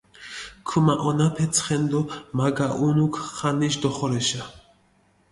ქუმაჸონაფე ცხენი დო მა გაჸუნუქ ხანიში დოხორეშა.